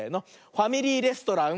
「ファミリーレストラン」。